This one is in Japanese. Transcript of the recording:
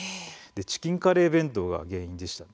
チキンカレー弁当が原因でした。